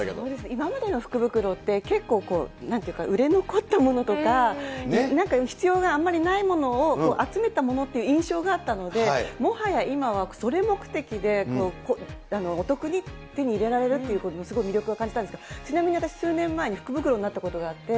今までの福袋って、結構、なんていうか、売れ残ったものとか、なんか必要があんまりないものを集めたものっていう印象があったので、もはや今は、それ目的でお得に手に入れられるというのはすごい魅力を感じたんですが、ちなみに私、数年前に福袋になったことがあって。